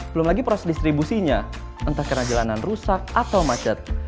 belum lagi proses distribusinya entah karena jalanan rusak atau macet